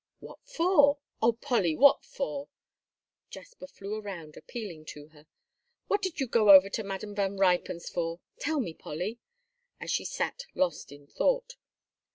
"What for? Oh, Polly, what for?" Jasper flew around, appealing to her. "What did you go over to Madam Van Ruypen's for? Tell me, Polly," as she sat lost in thought.